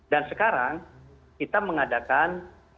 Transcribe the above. dan sekarang kita mengadakan